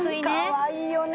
かわいいよね。